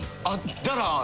「会ったら」